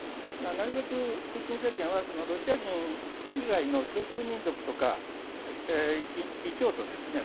なるべくプーチン政権はロシア人以外の少数民族とか異教徒ですね